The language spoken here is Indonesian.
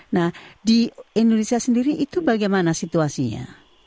nah di indonesia sendiri itu bagaimana situasinya